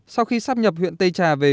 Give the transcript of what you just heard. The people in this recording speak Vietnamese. sau khi sắp nhập huyện tây trà về